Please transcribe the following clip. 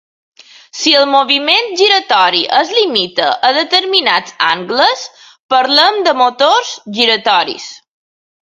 Si el moviment giratori es limita a determinats angles, parlem de motors giratoris.